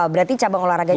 berarti cabang olahraganya